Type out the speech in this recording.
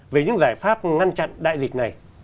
về những giải pháp ngăn chặn